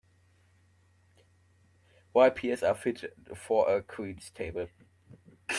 Ripe pears are fit for a queen's table.